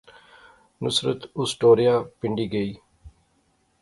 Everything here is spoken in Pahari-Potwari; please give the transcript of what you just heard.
نصرت اس ٹوریا پنڈی گئی